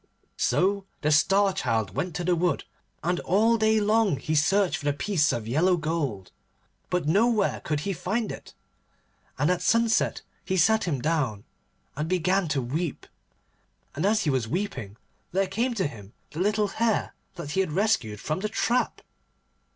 So the Star Child went to the wood, and all day long he searched for the piece of yellow gold, but nowhere could he find it. And at sunset he sat him down and began to weep, and as he was weeping there came to him the little Hare that he had rescued from the trap.